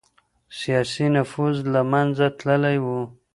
سياسي نفوذ له منځه تللی و.